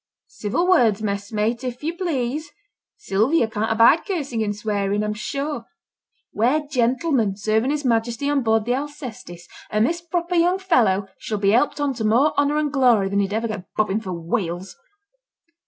'Civil words, messmate, if you please. Sylvia can't abide cursing and swearing, I'm sure. We're gentlemen serving his Majesty on board the Alcestis, and this proper young fellow shall be helped on to more honour and glory than he'd ever get bobbing for whales.